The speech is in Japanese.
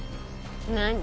何？